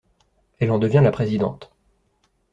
Elle en devient la présidente.